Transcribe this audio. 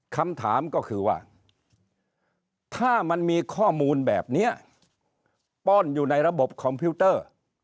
คำถามก็คือว่าถ้ามันมีข้อมูลแบบนี้ป้อนอยู่ในระบบคอมพิวเตอร์